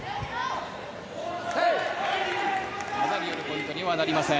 技によるポイントにはなりません。